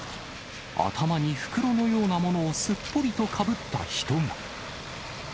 頭に袋のようなものをすっぽりとかぶった人が。